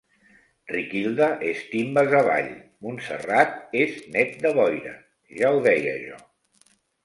Riquilda és timbes avall, Montserrat és net de boira. Ja ho deia jo...